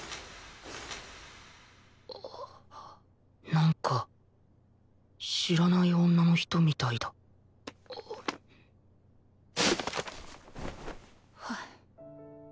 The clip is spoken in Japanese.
なんか知らない女の人みたいだはあ。